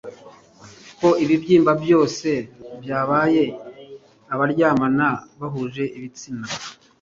Ko ibibyimba byose byabaye abaryamana bahuje ibitsina